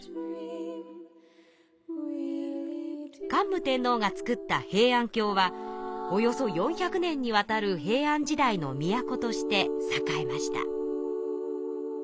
桓武天皇がつくった平安京はおよそ４００年にわたる平安時代の都として栄えました。